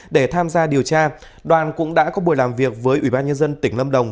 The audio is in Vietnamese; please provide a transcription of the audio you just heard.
để tham gia điều tra đoàn cũng đã có buổi làm việc với ủy ban nhân dân tỉnh lâm đồng